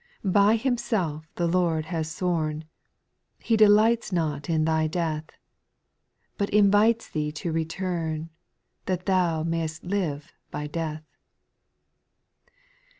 By Himself the Lord has sworn, He delights not in thy death. But invites thee lo return, That thou may'st live by death.